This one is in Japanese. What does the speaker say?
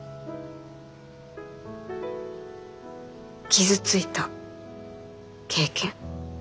傷ついた経験。